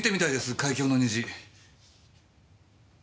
『海峡の虹』。